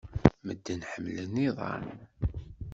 Medden ḥemmlen iḍan.